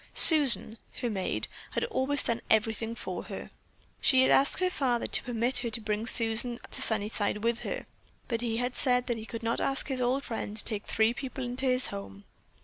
Susan, her maid, had always done everything for her. She had asked her father to permit her to bring Susan to Sunnyside with her, but he had said that he could not ask his old friend to take three people into his home.